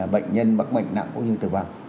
bệnh nhân bắc mệnh nặng cũng như tử vang